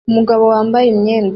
Umugore wambaye imyenda